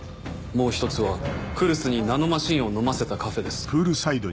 もう１つは来栖にナノマシンを飲ませたカフェです。